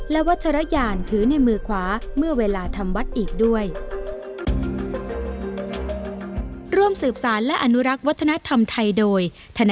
และวัชรยานถือในมือขวาเมื่อเวลาทำวัดอีกด้วย